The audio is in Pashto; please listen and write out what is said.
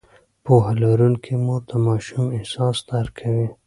پوهه لرونکې مور د ماشوم احساسات درک کوي.